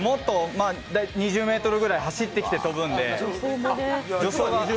２０ｍぐらい走ってきて跳ぶんで。